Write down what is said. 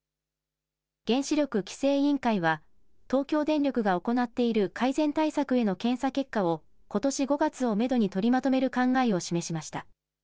原子力規制委員会は、東京電力が行っている改善対策への検査結果を、ことし５月をメドに取りまとめる考えを示しました。